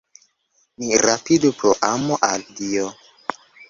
Ni rapidu, pro amo al Dio!